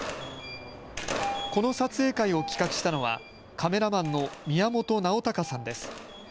この撮影会を企画したのはカメラマンの宮本直孝さんです。